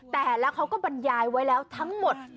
แต่แล้วเขาก็บรรยายไว้แล้วทั้งหมด